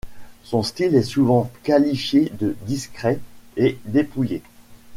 Son style est souvent qualifié de discret et dépouillé.